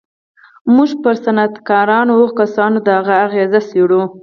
موږ پر صنعتکارانو او هغو کسانو د هغه اغېز څېړو